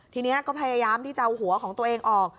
ทีนี้ก็พยายามที่จะเอาหัวของตัวเองออก